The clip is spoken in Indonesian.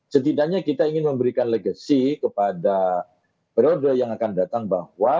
setidaknya kita ingin memberikan legacy kepada periode yang akan datang bahwa